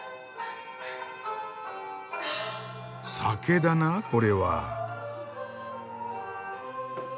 酒だなこれは。